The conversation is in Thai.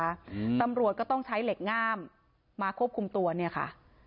อืมตำรวจก็ต้องใช้เหล็กงามมาควบคุมตัวเนี้ยค่ะ